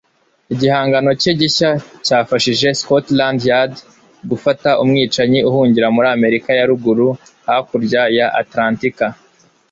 igihangano cye gishya cyafashije Scotland Yard gufata umwicanyi uhungira muri Amerika ya ruguru hakurya ya Atalantika